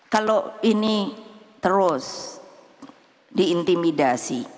kalau ini terus diintimidasi